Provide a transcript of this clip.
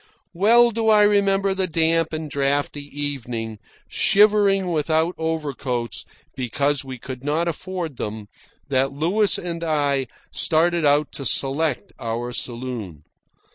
Well do I remember the damp and draughty evening, shivering without overcoats because we could not afford them, that Louis and I started out to select our saloon.